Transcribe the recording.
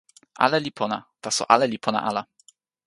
ale li pona.taso ale li pona ala!